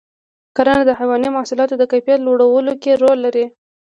کرنه د حیواني محصولاتو د کیفیت لوړولو کې رول لري.